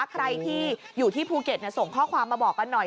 ใครที่อยู่ที่ภูเก็ตส่งข้อความมาบอกกันหน่อย